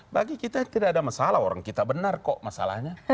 bagi kita tidak ada masalah orang kita benar kok masalahnya